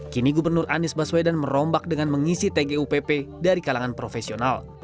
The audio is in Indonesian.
kini gubernur anies baswedan merombak dengan mengisi tgupp dari kalangan profesional